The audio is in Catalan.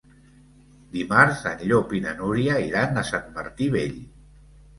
Dimarts en Llop i na Núria iran a Sant Martí Vell.